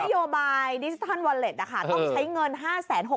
นโยบายดิจิทัลวอลเล็ตต้องใช้เงิน๕๖๐๐๐๐ล้านอ่ะ